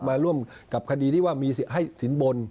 มาร่วมกับคดีที่ว่ามีให้สินบน